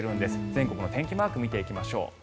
全国の天気マーク見ていきましょう。